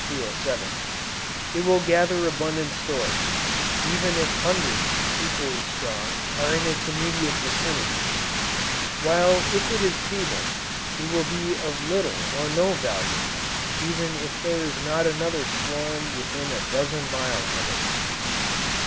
207) it will gather abundant stores, even if hundreds equally strong, are in its immediate vicinity, while if it is feeble, it will be of little or no value, even if there is not another swarm within a dozen miles of it.